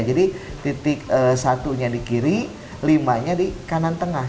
jadi titik satunya di kiri limanya di kanan tengah